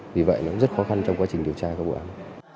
vì vậy nó cũng rất khó khăn trong quá trình điều tra các vụ án